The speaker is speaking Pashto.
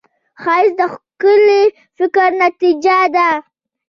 ښایست د ښکلي فکر نتیجه ده